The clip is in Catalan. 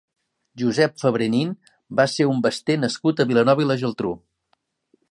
Josep Fabré Nin va ser un baster nascut a Vilanova i la Geltrú.